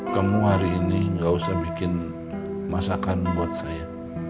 kamu hari ini gausah bikin masakan buat saya